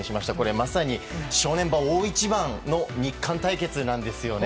まさに正念場、大一番の日韓対決なんですよね。